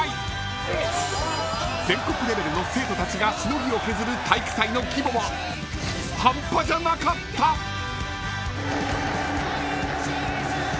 ［全国レベルの生徒たちがしのぎを削る体育祭の規模は半端じゃなかった！］え！？